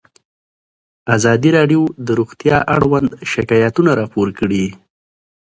ازادي راډیو د روغتیا اړوند شکایتونه راپور کړي.